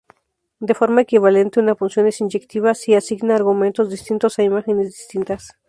De forma equivalente, una función es inyectiva si asigna argumentos distintos a imágenes distintas.